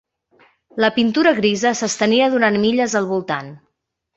La pintura grisa s'estenia durant milles al voltant.